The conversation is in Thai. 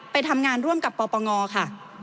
ไปทำงานร่วมกับปปงค่ะ